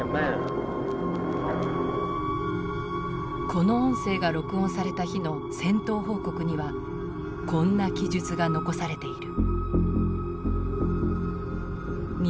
この音声が録音された日の戦闘報告にはこんな記述が残されている。